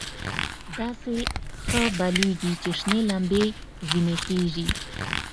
داسې ښه بلېږي چې شنې لمبې ځنې خېژي.